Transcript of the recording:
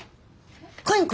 カイン殿？